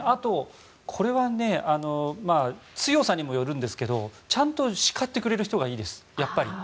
あとこれは強さにもよるんですがちゃんと叱ってくれる人がいいです。